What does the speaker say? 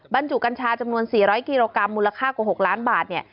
บรรจุกัญชาจำนวน๔๐๐กิโลกรัมมูลค่ากว่า๖ล้านบาทเนี่ย